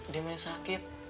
dia masih sakit